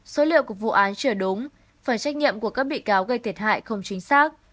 số liệu của vụ án chưa đúng phải trách nhiệm của các bị cáo gây thiệt hại không chính xác